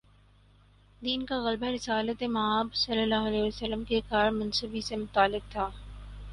دین کا غلبہ رسالت مآبﷺ کے کار منصبی سے متعلق تھا۔